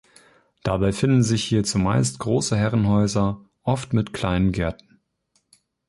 Dabei finden sich hier zumeist große Herrenhäuser, oft mit kleinen Gärten.